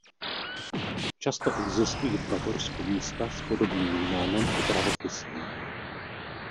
Často existují v Bavorsku místa s podobným jménem i pravopisem.